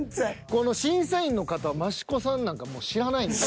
この審査員の方は益子さんなんかもう知らないですよ。